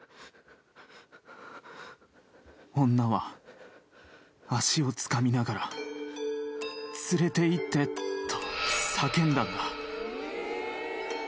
「女は足をつかみながら『連れていって』と叫んだんだ」